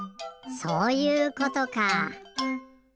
そういうことか。